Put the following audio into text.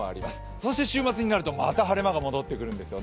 今週週末になるとまた晴れ間が戻ってくるんですよね。